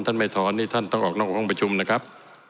ไม่ถอนนี่ท่านต้องออกนอกห้องประชุมนะครับ